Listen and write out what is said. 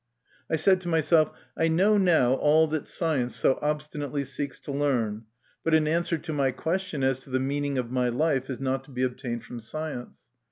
I said to myself, " I know now all that science so obstinately seeks to learn ; but an answer to my question as to the meaning of my life is not to be obtained from science."